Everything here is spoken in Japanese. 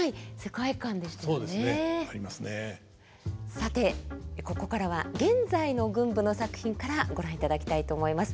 さてここからは現在の群舞の作品からご覧いただきたいと思います。